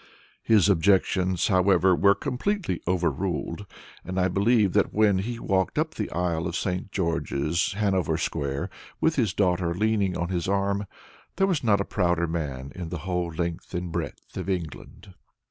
His objections, however, were completely over ruled, and I believe that when he walked up the aisle of St. George's, Hanover Square, with his daughter leaning on his arm, there was not a prouder man in the whole length and breadth of England.